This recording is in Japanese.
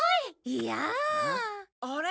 いやあ！あれ？